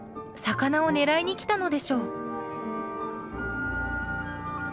魚を狙いに来たのでしょう。